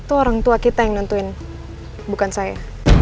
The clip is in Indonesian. itu orang tua kita yang nentuin bukan saya